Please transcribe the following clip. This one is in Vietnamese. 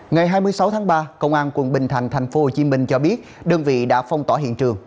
ngày hai mươi sáu tháng ba công an quận bình thành thành phố hồ chí minh cho biết đơn vị đã phong tỏ hiện trường